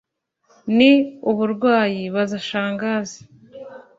ni uburwayi-Baza Shangazi